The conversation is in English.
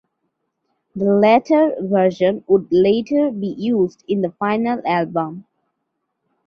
The latter version would later be used in the final album.